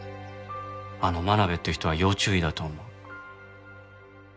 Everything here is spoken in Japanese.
あの真鍋っていう人は要注意だと思う。